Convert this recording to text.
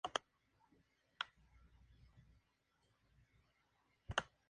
En estas regiones se localizaron las explotaciones de caoba y chicle.